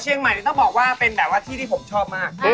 ใหม่ต้องบอกว่าเป็นแบบว่าที่ที่ผมชอบมาก